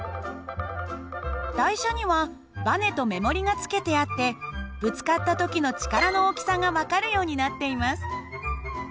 台車にはばねと目盛りが付けてあってぶつかった時の力の大きさが分かるようになっています。